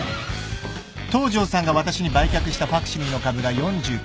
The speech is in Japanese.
東城さんが私に売却したファクシミリの株が４９％。